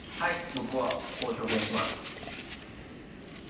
僕はこう表現します。